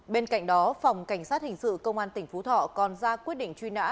bên cạnh đó phòng cảnh sát hình sự công an tỉnh phú thọ còn ra quyết định truy nã